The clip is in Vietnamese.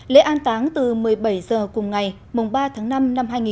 lễ an táng từ một mươi bảy h cùng ngày ba tháng năm năm hai nghìn một mươi chín